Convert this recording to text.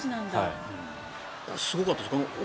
すごかったです。